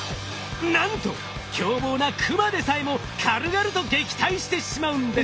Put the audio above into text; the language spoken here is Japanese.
なんと凶暴な熊でさえも軽々と撃退してしまうんです。